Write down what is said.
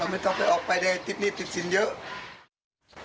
ไม่ต้องไปออกไปได้ติดหนี้ติดสินเยอะ